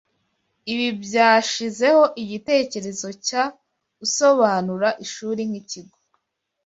Ibi byashizeho igitekerezo cya usobanura ishuri nkikigo